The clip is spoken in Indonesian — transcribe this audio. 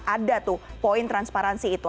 ada tuh poin transparansi itu